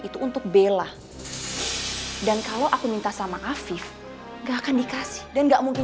itu untuk bela dan kalau aku minta sama afif gak akan dikasih dan enggak mungkin